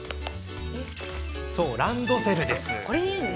そう、ランドセル。